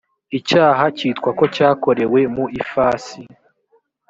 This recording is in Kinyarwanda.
icyaha cyitwa ko cyakorewe mu ifasi